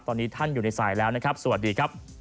ตอนนี้ท่านอยู่ในสายแล้วนะครับสวัสดีครับ